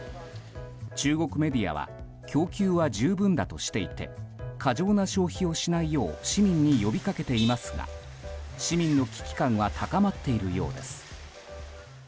中国メディアは供給は十分だとしていて過剰な消費をしないよう市民に呼び掛けていますが市民の危機感は高まっているようです。